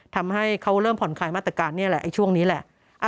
ทำให้เขาเริ่มผ่อนคลายมาตรการนี่แหละช่วงนี้แหละ